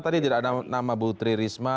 tadi tidak ada nama butri risma